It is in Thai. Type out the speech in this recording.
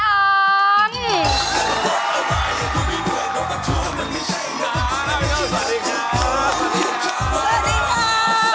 สวัสดีค่ะ